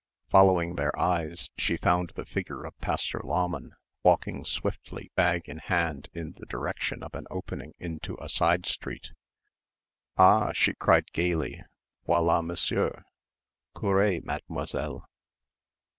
Following their eyes she found the figure of Pastor Lahmann walking swiftly bag in hand in the direction of an opening into a side street. "Ah!" she cried gaily. "Voilà Monsieur; courrez, Mademoiselle!"